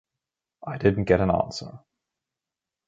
I didn't get an answer.